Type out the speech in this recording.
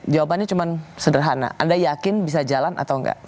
jawabannya cuma sederhana anda yakin bisa jalan atau enggak